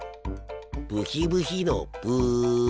ブヒブヒのブ。